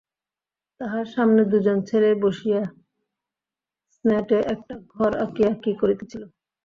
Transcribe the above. তাহার সামনে দুজন ছেলে বসিয়া স্নেটে একটা ঘর আঁকিয়া কি করিতেছিল।